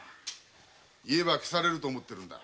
「言えば消される」と思ってるんだ。